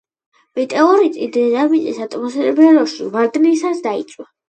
მეტეორიტი დედამიწის ატმოსფეროში ვარდნისას დაიწვა.